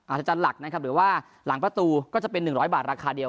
อาจจะหลักนะครับหรือว่าหลังประตูก็จะเป็น๑๐๐บาทราคาเดียว